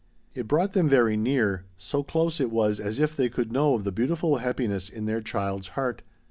It brought them very near, so close it was as if they could know of the beautiful happiness in their child's heart.